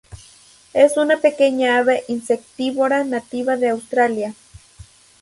Es una pequeña ave insectívora, nativa de Australia.